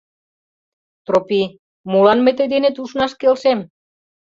Тропий, молан мый тый денет ушнаш келшем?